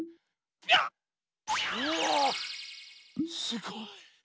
すごい。